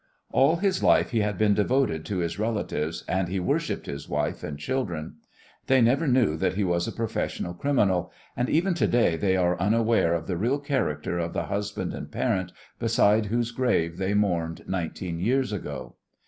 All his life he had been devoted to his relatives, and he worshipped his wife and children. They never knew that he was a professional criminal, and even to day they are unaware of the real character of the husband and parent beside whose grave they mourned nineteen years ago.